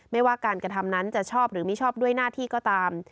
ไม่ว่าการกระทำนั้นจะชอบหรือไม่ชอบด้วยหน้าที่ก็ตาม